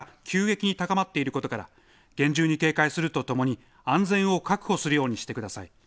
土砂災害や洪水が発生する危険性が急激に高まっていることから厳重に警戒するとともに安全を確保するようにしてください。